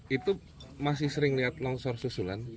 ti itu masih sering melihat longsor susulan